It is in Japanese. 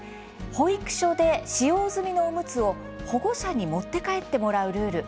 保育所で使用済みのおむつを保護者に持って帰ってもらうルール。